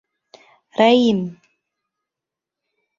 — Рәим!..